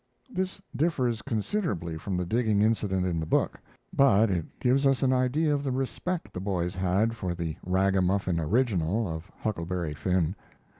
This differs considerably from the digging incident in the book, but it gives us an idea of the respect the boys had for the ragamuffin original of Huckleberry Finn.